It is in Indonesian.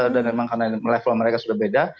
dan memang karena level mereka sudah beda